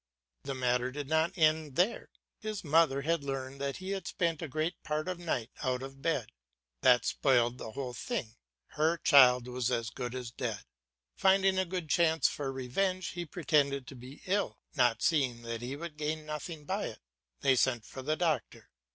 The matter did not end there. His mother heard that the child had spent a great part of the night out of bed. That spoilt the whole thing; her child was as good as dead. Finding a good chance for revenge, he pretended to be ill, not seeing that he would gain nothing by it. They sent for the doctor.